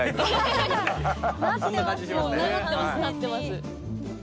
なってますよね